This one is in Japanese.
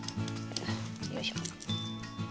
よいしょ。